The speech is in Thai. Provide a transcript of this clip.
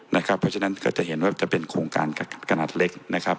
เพราะฉะนั้นก็จะเห็นว่าจะเป็นโครงการกระหนัดเล็ก